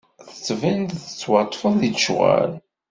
Tettbineḍ-d tettwaṭṭfeḍ di lecɣal.